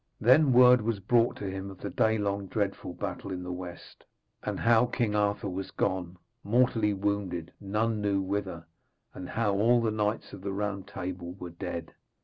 Then word was brought him of the daylong dreadful battle in the west, and how King Arthur was gone, mortally wounded, none knew whither, and how all the knights of the Round Table were dead.